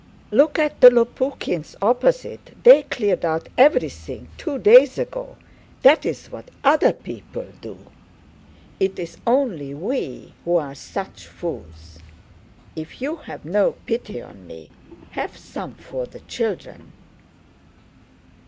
Look at the Lopukhíns opposite, they cleared out everything two days ago. That's what other people do. It's only we who are such fools. If you have no pity on me, have some for the children."